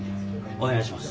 お願いします。